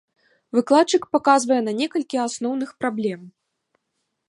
Выкладчык паказвае на некалькі асноўных праблем.